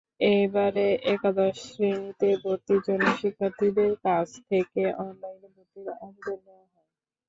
এবারে একাদশ শ্রেণিতে ভর্তির জন্য শিক্ষার্থীদের কাছ থেকে অনলাইনে ভর্তির আবেদন নেওয়া হয়।